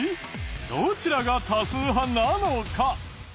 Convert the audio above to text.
どちらが多数派なのか。